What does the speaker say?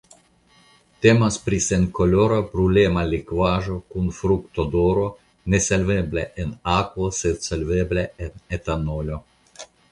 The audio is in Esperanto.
Temas pri senkolora brulema likvaĵo kun fruktodoro nesolvebla en akvo sed solvebla en etanolo.